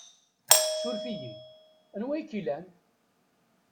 Suref-iyi! Anwa i k-ilan?